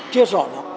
chưa rõ lắm